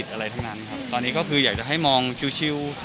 ครับตอนนี้ก็คืออยากจะให้มองชิว